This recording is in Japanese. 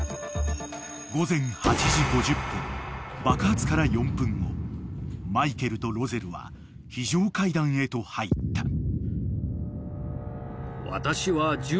［爆発から４分後マイケルとロゼルは非常階段へと入った］